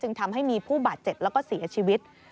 ทำให้มีผู้บาดเจ็บแล้วก็เสียชีวิต